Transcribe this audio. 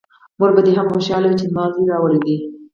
مور به دې هم خوشحاله وي چې ما زوی راوړی دی!